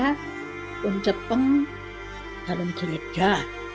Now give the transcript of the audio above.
saya berjalan ke tempat berbeda